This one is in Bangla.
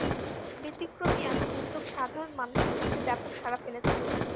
ব্যতিক্রমী এমন উদ্যোগ সাধারণ মানুষের মধ্যে ব্যাপক সাড়া ফেলেছে।